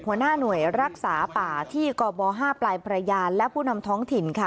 หัวหน้าหน่วยรักษาป่าที่กบ๕ปลายพระยานและผู้นำท้องถิ่นค่ะ